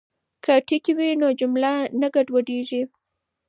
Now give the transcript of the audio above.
که ټکي وي نو جمله نه ګډوډیږي.